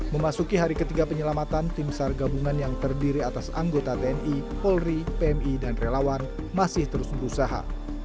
memasuki hari ketiga penyelamatan tim sar gabungan yang terdiri atas anggota tni polri pmi dan relawan masih terus berusaha